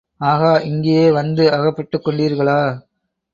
ஆகா, இங்கேயே வந்து அகப்பட்டுக்கொண்டீர்களா?